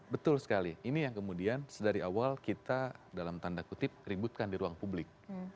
betul sekali ini yang kemudian sedari awal kita dalam tanda kutip keributkan di ruang publik